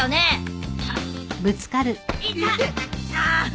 ああ！